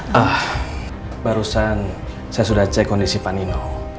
pak nino barusan saya sudah cek kondisi pak nino